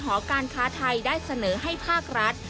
หอการค้าไทยได้เสนอให้ภาครัฐ